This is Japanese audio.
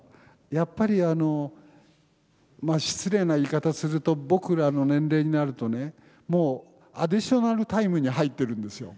やっぱりあの失礼な言い方すると僕らの年齢になるとねもうアディショナルタイムに入ってるんですよ。